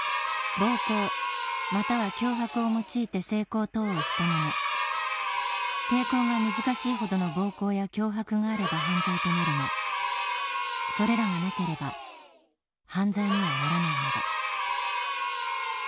「暴行又は脅迫を用いて性行等をした者」抵抗が難しいほどの暴行や脅迫があれば犯罪となるがそれらがなければ犯罪にはならないのだ